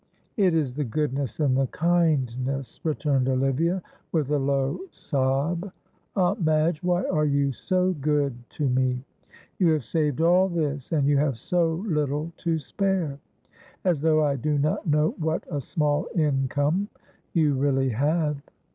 "It is the goodness and the kindness," returned Olivia, with a low sob. "Aunt Madge, why are you so good to me? You have saved all this, and you have so little to spare as though I do not know what a small income you really have."